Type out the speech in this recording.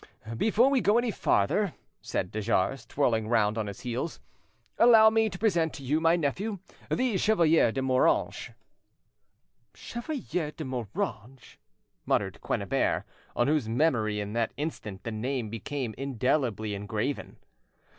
"Before we go any farther," said de Jars, twirling round on his heels, "allow me to present to you my nephew, the Chevalier de Moranges." "Chevalier de Moranges!" muttered Quennebert, on whose memory in that instant the name became indelibly engraven.